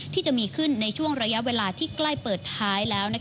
ที่จะมีขึ้นในช่วงระยะเวลาที่ใกล้เปิดท้ายแล้ว